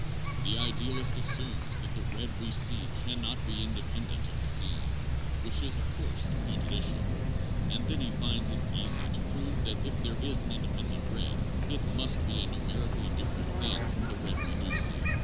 The idealist assumes that the red we see can not be independent of the seeing (which is, of course, the point at issue), and then he finds it easy to prove that if there is an independent red, it must be a numerically dif ferent thing from the red we do see.